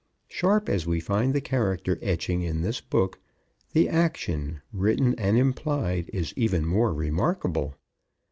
Sharp as we find the character etching in the book, the action, written and implied, is even more remarkable.